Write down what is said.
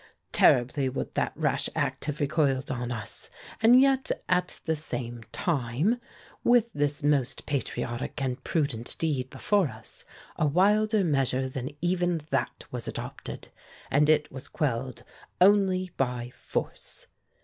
Terribly would that rash act have recoiled on us, and yet, at the same time, with this most patriotic and prudent deed before us, a wilder measure than even that was adopted, and it was quelled only by force.